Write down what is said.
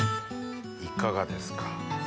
いかがですか？